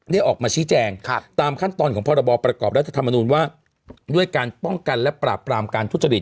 ออกมาชี้แจงตามขั้นตอนของพรบประกอบรัฐธรรมนูญว่าด้วยการป้องกันและปราบปรามการทุจริต